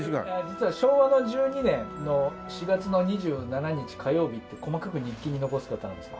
実は昭和の１２年の４月の２７日火曜日って細かく日記に残す方なんです。